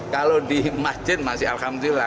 kalau di masjid masih alhamdulillah